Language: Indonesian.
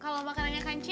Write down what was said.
kalau makanannya kancil